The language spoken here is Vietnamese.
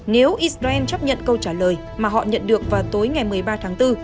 nếu israel chấp nhận câu trả lời mà họ nhận được vào tối ngày một mươi ba tháng bốn